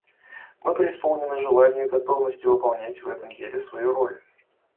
Мы преисполнены желания и готовности выполнять в этом деле свою роль.